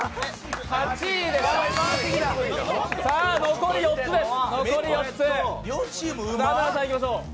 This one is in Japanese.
残り４つです。